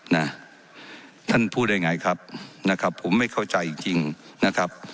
นะท่านพูดได้ไงครับนะครับผมไม่เข้าใจจริงจริงนะครับ